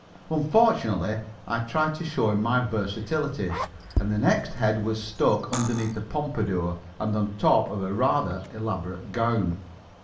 Unfortunately, I tried to show my versatility, and the next head was stuck underneath a pompadour and on top of a rather elaborate gown.